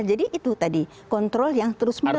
jadi itu tadi kontrol yang terus menerus